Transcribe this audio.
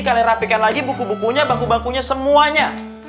kalian rapikan lagi buku bukunya bangku bangkunya semuanya